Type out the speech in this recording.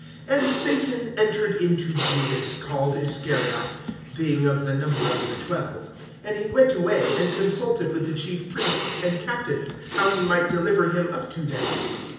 (3)And Satan entered into Judas called Iscariot, being of the number of the twelve. (4)And he went away, and consulted with the chief priests and captains, how he might deliver him up to them.